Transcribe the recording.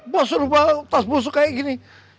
bosur tas bosuk kayak gini